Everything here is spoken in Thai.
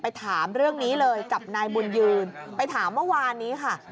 ถามเรื่องนี้เลยกับนายบุญยืนไปถามเมื่อวานนี้ค่ะ